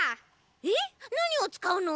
えっなにをつかうの？